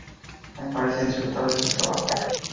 Él parece disfrutar de su trabajo.